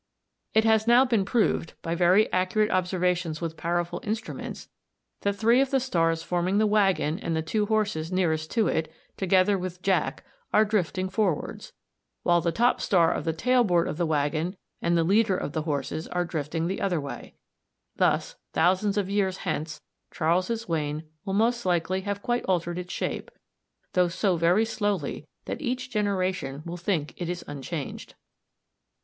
It has now been proved, by very accurate observations with powerful instruments, that three of the stars forming the waggon and the two horses nearest to it, together with Jack, are drifting forwards (see Fig. 60), while the top star of the tailboard of the waggon and the leader of the horses are drifting the other way. Thus, thousands of years hence Charles's Wain will most likely have quite altered its shape, though so very slowly that each generation will think it is unchanged.